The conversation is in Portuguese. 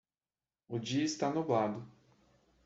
O dia está nublado